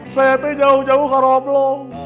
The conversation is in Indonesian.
saya jauh jauh ke roblong